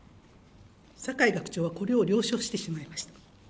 酒井学長はこれを了承してしまいました。